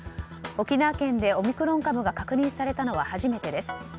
沖縄県でオミクロン株が確認されたのは初めてです。